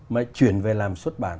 mà chuyển về làm xuất bản